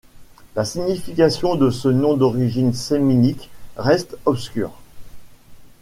La signification de ce nom d'origine sémitique reste obscure.